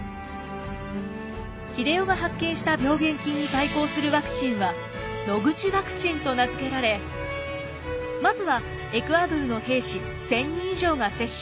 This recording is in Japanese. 英世が発見した病原菌に対抗するワクチンはノグチワクチンと名付けられまずはエクアドルの兵士１，０００人以上が接種。